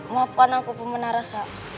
maafkan aku pembina rasa